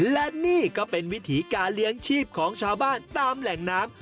และนี่ก็เป็นวิถีการเลี้ยงชีพของชาวบ้านตามแหล่งน้ำ